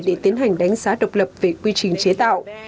để tiến hành đánh giá độc lập về quy trình chế tạo